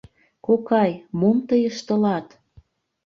— Кокай, мом тый ыштылат?